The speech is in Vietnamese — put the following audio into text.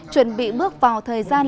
chuẩn bị bước vào thời gian